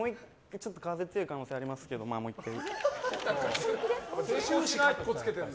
ちょっと風が強い可能性がありますけどまあ、もう１回。